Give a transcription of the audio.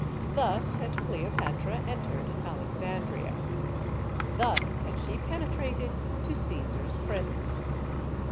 Thus had Cleopatra entered Alexandria. Thus had she pene trated to Caesar's presence.